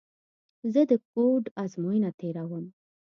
زه د کوډ ازموینه تېره ووم.